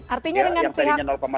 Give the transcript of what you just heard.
artinya dengan pihak